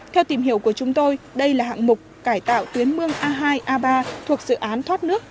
theo tìm hiểu của chúng tôi đây là hạng mục cải tạo tuyến mương a hai a ba thuộc dự án thoát nước